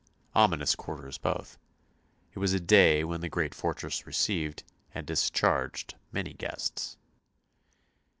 Ominous quarters both! It was a day when the great fortress received, and discharged, many guests.